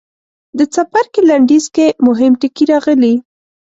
د څپرکي لنډیز کې مهم ټکي راغلي.